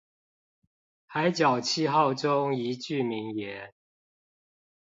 海角七號中一句名言